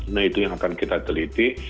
nah itu yang akan kita teliti